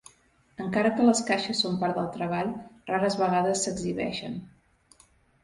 Encara que les caixes són part del treball, rares vegades s'exhibeixen.